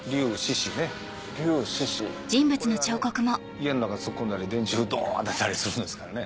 家の中突っ込んだり電柱ドンとしたりするんですからね。